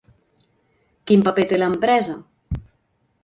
Quin paper té l'empresa?